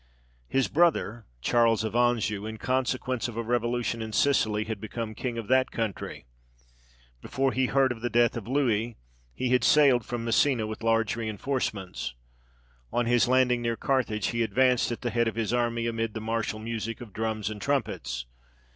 His brother, Charles of Anjou, in consequence of a revolution in Sicily, had become king of that country. Before he heard of the death of Louis, he had sailed from Messina with large reinforcements. On his landing near Carthage, he advanced at the head of his army, amid the martial music of drums and trumpets.